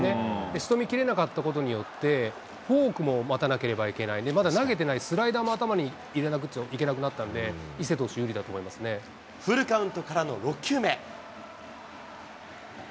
しとめきれなかったことによって、フォークも待たなければいけない、まだ投げてないスライダーも頭に入れなくちゃいけなくなったんで、フルカウントからの６球目。